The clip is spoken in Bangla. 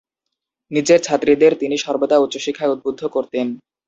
নিজের ছাত্রীদের তিনি সর্বদা উচ্চশিক্ষায় উদ্বুদ্ধ করতেন।